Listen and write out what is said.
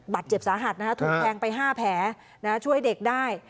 บัตรเจ็บสาหัสนะคะถูกแพงไปห้าแผลนะคะช่วยเด็กได้